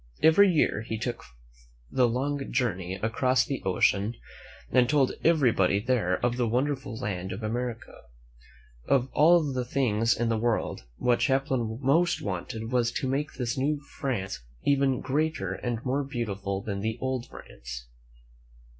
Every year he took the long journey across the ocean and told everybody there of the t !i',« 138 THE FATHER FRANCE « ^Slr W wonderful land of America. Of all the things in the world, what Champlain most wanted was to make this new France even greater and more beautiful than the old France.